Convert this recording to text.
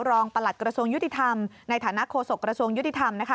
ประหลัดกระทรวงยุติธรรมในฐานะโฆษกระทรวงยุติธรรมนะคะ